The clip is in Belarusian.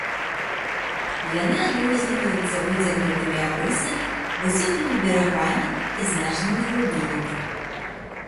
Яны адрозніваюцца выцягнутымі абрысамі, высокімі берагамі і значнымі глыбінямі.